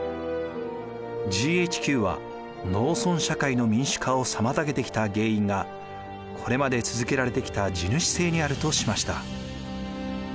ＧＨＱは農村社会の民主化をさまたげてきた原因がこれまで続けられてきた地主制にあるとしました。